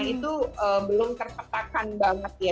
itu belum terpetakan banget ya